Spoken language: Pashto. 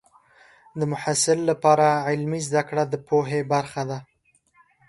د محصل لپاره عملي زده کړه د پوهې برخه ده.